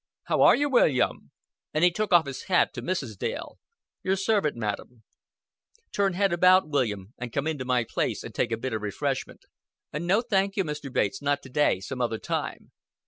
"How are you, William?" And he took off his hat to Mrs. Dale. "Your servant, madam. Turn head about, William, and come into my place and take a bit of refreshment." "No, thank you, Mr. Bates. Not to day. Some other time."